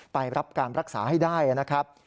ไปรับการรักษาให้ได้นะครับ